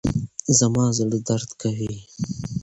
زما زړه درد کوي.